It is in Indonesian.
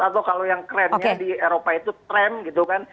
atau kalau yang kerennya di eropa itu tren gitu kan